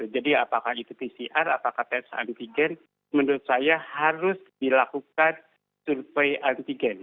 jadi apakah itu pcr apakah tes antigen menurut saya harus dilakukan survei antigen